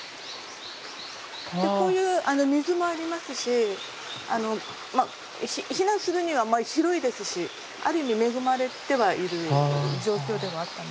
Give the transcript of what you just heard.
こういう水もありますし避難するには広いですしある意味恵まれてはいる状況ではあったんですが。